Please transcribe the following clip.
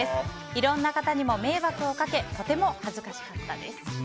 いろんな方にも迷惑をかけとても恥ずかしかったです。